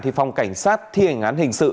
thì phòng cảnh sát thi hình án hình sự